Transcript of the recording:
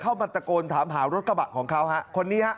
มาตะโกนถามหารถกระบะของเขาฮะคนนี้ฮะ